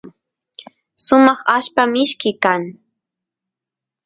sumaq allpa mishki kan